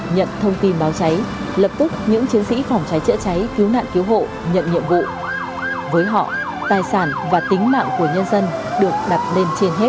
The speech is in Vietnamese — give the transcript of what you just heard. nhận thông tin báo cháy lập tức những chiến sĩ phòng cháy chữa cháy cứu nạn cứu hộ nhận nhiệm vụ với họ tài sản và tính mạng của nhân dân được đặt lên trên hết